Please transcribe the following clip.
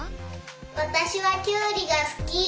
わたしはきゅうりがすき。